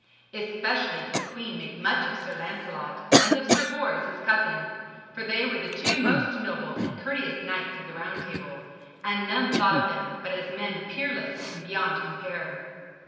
Especially did the queen make much of Sir Lancelot and of Sir Bors his cousin, for they were the two most noble and courteous knights of the Round Table, and none thought of them but as men peerless and beyond compare.